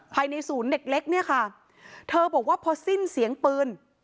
ภายในศูนย์เด็กเล็กเนี่ยค่ะเธอบอกว่าพอสิ้นเสียงปืน